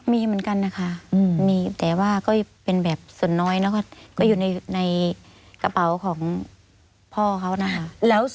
มีเหมือนกันนะคะมีแต่ว่าก็เป็นแบบส่วนน้อยแล้วก็อยู่ในกระเป๋าของพ่อเขานะคะ